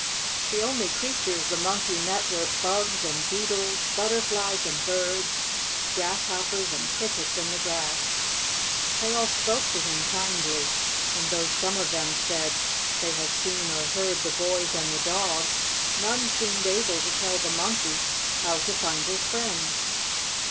The only creatures the Monkey met were bugs and beetles, butterflies and birds, grasshoppers and crickets in the grass. They all spoke to him kindly, and though some of them said they had seen or heard the boys and the dog, none seemed able to tell the Monkey how to find his friends.